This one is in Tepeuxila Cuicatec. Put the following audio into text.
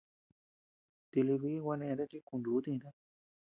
Tilï biʼi gua neʼeta chi kunú tïta.